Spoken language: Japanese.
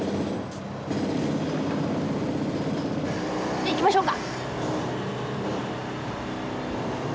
じゃあ行きましょうか。